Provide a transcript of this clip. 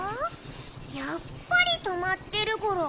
やっぱり止まってるゴロ。